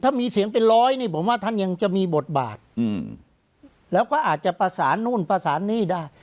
ถ้ามีเสียงเป็นร้อยนี่ผมว่าท่านยังจะมีบทบาทแล้วก็อาจจะประสานนู่นประสานนี่ได้